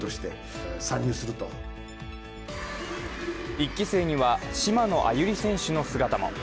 １期生には島野愛友利選手の姿も。